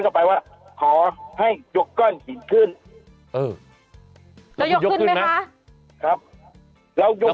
กลับไปว่าขอให้ยกก้อนหินขึ้นแล้วยกขึ้นไหมคะครับแล้ว